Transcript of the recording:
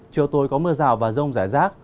chiều tối có mưa rào và rông rải rác